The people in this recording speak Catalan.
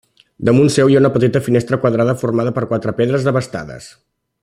Damunt seu hi ha una petita finestra quadrada formada per quatre pedres desbastades.